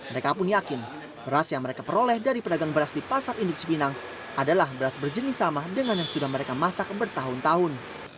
mereka pun yakin beras yang mereka peroleh dari pedagang beras di pasar induk cipinang adalah beras berjenis sama dengan yang sudah mereka masak bertahun tahun